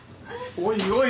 おいおい